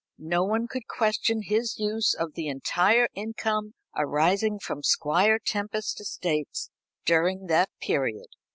No one could question his use of the entire income arising from Squire Tempest's estates during that period.